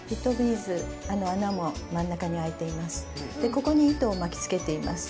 ここに糸を巻きつけています。